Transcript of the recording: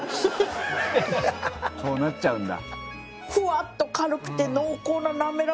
「そうなっちゃうんだ」